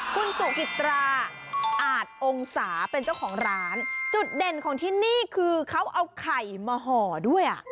คุณสุจิตราอาจองศาเป็นเจ้าของร้านจุดเด่นของที่นี่คือเขาเอาไข่มาห่อด้วยอ่ะ